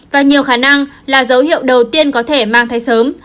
và nhiều khả năng là dấu hiệu đầu tiên có thể mang thai sớm